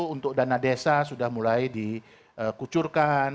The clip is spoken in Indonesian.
untuk dana desa sudah mulai dikucurkan